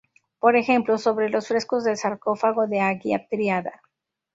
Por ejemplo, sobre los frescos del sarcófago de Agia Triada.